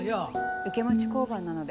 受け持ち交番なので。